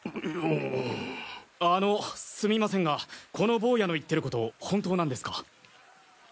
あのすみませんがこのボウヤの言ってること本当なんですか？